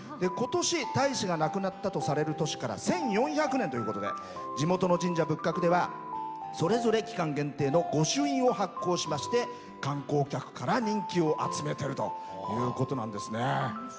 ことし太子が亡くなったとされる年から１４００年ということで地元の神社仏閣ではそれぞれ期間限定の御朱印を発行しまして観光客から人気を集めているということなんですね。